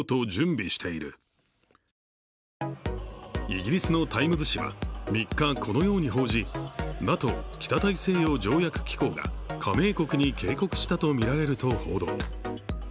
イギリスの「タイムズ」紙は３日、このように報じ、ＮＡＴＯ＝北大西洋条約機構が加盟国に警告したとみられると報道。